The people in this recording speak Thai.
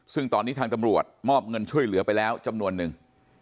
ซึ่งตอนนี้ทางตำรวจมอบเงินช่วยเหลือไปแล้วจำนวนนึง